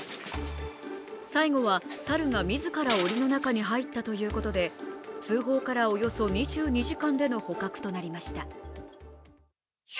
最後は猿が自らおりの中に入ったということで通報からおよそ２２時間での捕獲となりました。